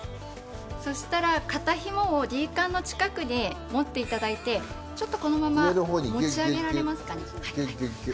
そしたら肩ひもをＤカンの近くで持って頂いてちょっとこのまま持ち上げられますかね？